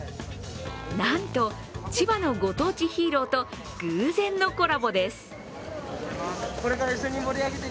なんと、千葉のご当地ヒーローと偶然のコラボです。